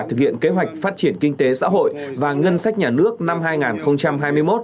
thực hiện kế hoạch phát triển kinh tế xã hội và ngân sách nhà nước năm hai nghìn hai mươi một